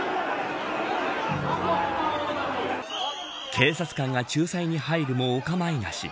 警察官が仲裁に入るもお構いなし。